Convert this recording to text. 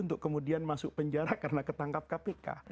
untuk kemudian masuk penjara karena ketangkap kpk